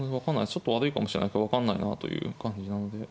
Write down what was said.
ちょっと悪いかもしれないけど分かんないなという感じなんで。